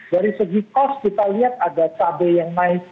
dari segi cost kita lihat ada cabai yang naik